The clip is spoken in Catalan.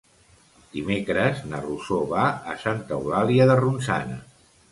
Dimecres na Rosó va a Santa Eulàlia de Ronçana.